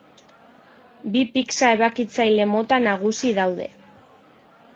Bi pizza-ebakitzaile mota nagusi daude.